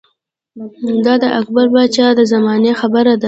دا د اکبر باچا د زمانې خبره ده